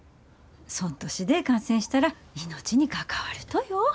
そん年で感染したら命に関わるとよ。